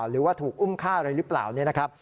หรือว่าถูกอุ้มค่าอะไรหรือเปล่า